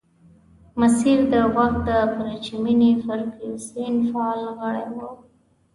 مسیر د وخت د پرچمي فرکسیون فعال غړی وو.